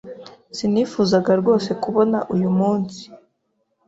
Sinifuzaga rwose kubona uyu munsi